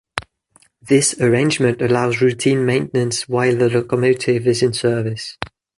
This arrangement allows routine maintenance while the locomotive is in service.